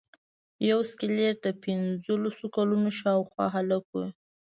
یو سکلیټ د پنځلسو کلونو شاوخوا هلک و.